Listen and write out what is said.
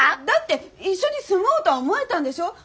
だって一緒に住もうとは思えたんでしょ？